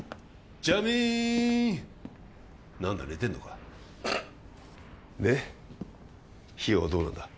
ジャミーン何だ寝てんのかで費用はどうなんだ？